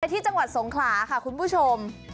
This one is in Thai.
ที่จังหวัดสงขลาค่ะคุณผู้ชม